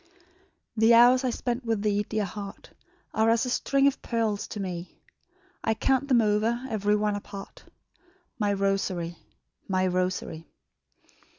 "The hours I spent with thee, dear heart, Are as a string of pearls to me; I count them over, ev'ry one apart, My rosary, my rosary."